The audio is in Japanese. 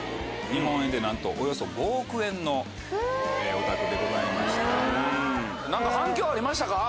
日本円でなんとおよそ５億円のお宅でございました。